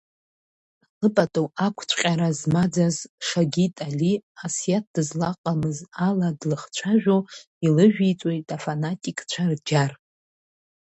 Лыпату ақәҵәҟьара змаӡаз Шагит-Али Асиаҭ дызлаҟамыз ала длыхцәажәо илыжәиҵоит афанатикцәа рџьар…